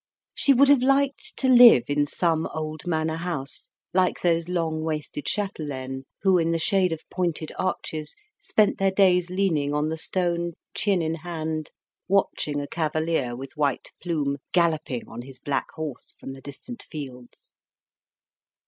She would have liked to live in some old manor house, like those long waisted chatelaines who, in the shade of pointed arches, spent their days leaning on the stone, chin in hand, watching a cavalier with white plume galloping on his black horse from the distant fields.